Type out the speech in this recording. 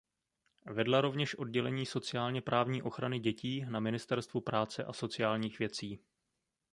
Vedla rovněž oddělení sociálně právní ochrany dětí na Ministerstvu práce a sociálních věcí.